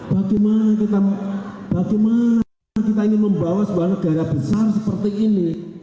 bagaimana kita ingin membawa sebuah negara besar seperti ini